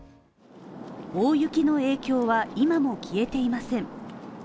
大雪の影響は今も消えていません。